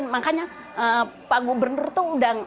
makanya pak gubernur tuh udah